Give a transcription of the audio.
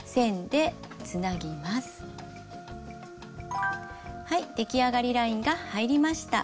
できあがりラインが入りました。